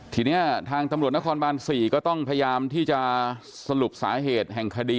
ทีนี้ทางตำรวจนครบาน๔ก็ต้องพยายามที่จะสรุปสาเหตุแห่งคดี